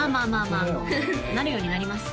あのなるようになります